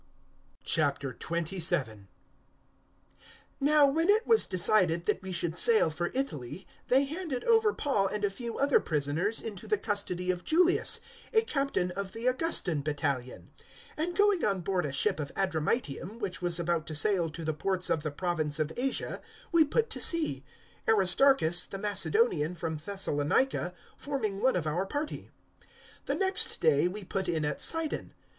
027:001 Now when it was decided that we should sail for Italy, they handed over Paul and a few other prisoners into the custody of Julius, a Captain of the Augustan battalion; 027:002 and going on board a ship of Adramyttium which was about to sail to the ports of the province of Asia, we put to sea; Aristarchus, the Macedonian, from Thessalonica, forming one of our party. 027:003 The next day we put in at Sidon.